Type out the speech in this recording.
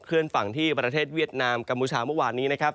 เคลื่อนฝั่งที่ประเทศเวียดนามกัมพูชาเมื่อวานี้